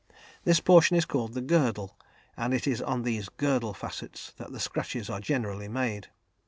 This portion is called the "girdle," and it is on these "girdle" facets that the scratches are generally made.